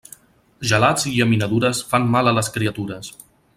Gelats i llaminadures fan mal a les criatures.